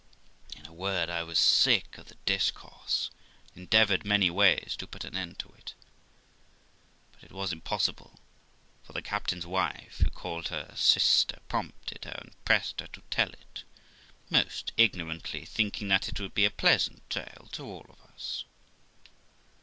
In a word, I was sick of the discourse, and endeavoured many ways to put an end to it, but it was impossible; for the captain's wife, who called her sister, prompted her, and pressed her to tell it, most ignorantly thinking that it would be a pleasant tale to all of us.